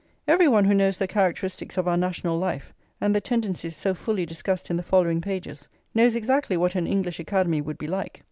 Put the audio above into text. Every one who knows the characteristics of our national life, and the tendencies so fully discussed in the following pages, knows exactly what an English Academy would be like.